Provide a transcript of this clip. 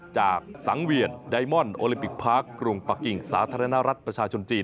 จากสังเวียนไดมอนดโอลิมปิกพาร์คกรุงปะกิ่งสาธารณรัฐประชาชนจีน